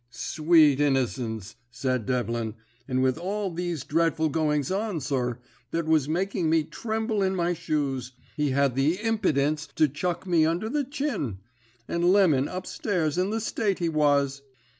"'Sweet innocence!' said Devlin, and with all these dreadful goings on, sir, that was making me tremble in my shoes, he had the impidence to chuck me under the chin and Lemon up stairs in the state he was!